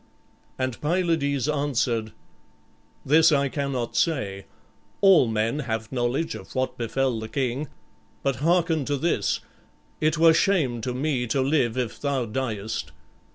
And Pylades answered, "This I cannot say; all men have knowledge of what befell the king. But hearken to this. It were shame to me to live if thou diest.